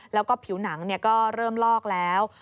แล้วก็ผิวหนังก็เริ่มลอกแล้ว